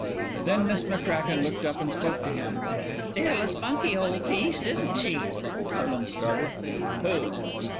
Then Miss McCracken looked up and spoke to him: "Still a spunky old piece, isn't she?" Merlin started. "Who?"